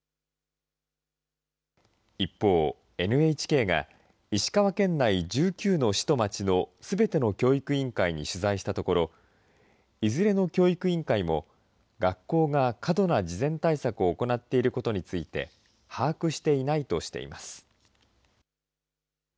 一方、ＮＨＫが石川県内１９の市と町のすべての教育委員会に取材したところ、いずれの教育委員会も、学校が過度な事前対策を行っていることについて、把握していないとしています。